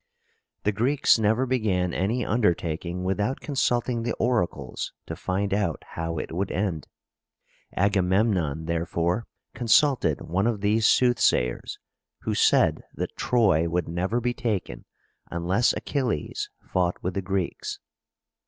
The Greeks never began any undertaking without consulting the oracles to find out how it would end. Agamemnon, therefore, consulted one of these soothsayers, who said that Troy would never be taken unless A chil´les fought with the Greeks.